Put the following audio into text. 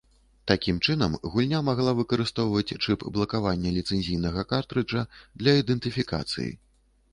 Такі чынам, гульня магла выкарыстоўваць чып блакавання ліцэнзійнага картрыджа для ідэнтыфікацыі.